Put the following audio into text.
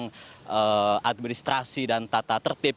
kepala bidang administrasi dan tata tertib